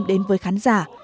đến với khán giả